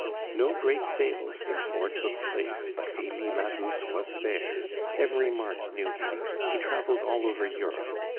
No great sales, therefore, took place but Elie Magus was there; every mart knew him; he traveled all over Europe.